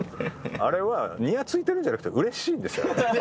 あれはにやついてるんじゃなくてうれしいんですよ。